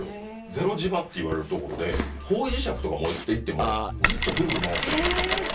ゼロ磁場っていわれるところで方位磁石とか持っていってもずっとグルグル回ってるんですよ